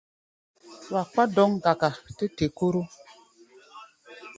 Wa kpá dɔ̌k-ŋgaka tɛ té-koro.